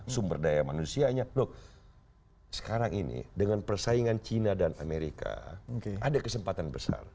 sumber daya manusianya loh sekarang ini dengan persaingan cina dan amerika ada kesempatan besar